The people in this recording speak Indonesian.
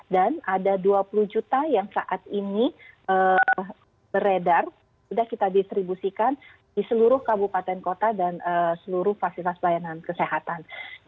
dan ada dua puluh juta yang saat ini beredar sudah kita distribusikan di seluruh kabupaten kota dan seluruh fasilitas pelayanan kesehatan